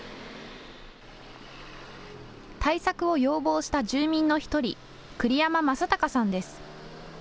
対策を要望した住民の１人、栗山正隆さんです。